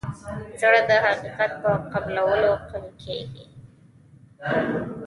زړه د حقیقت په قبلولو قوي کېږي.